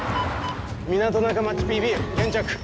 港中町ＰＢ現着。